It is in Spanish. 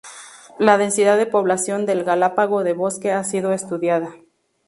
La densidad de población del galápago de bosque ha sido estudiada.